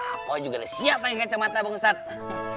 apa juga siap pakai kacamata bang ustadz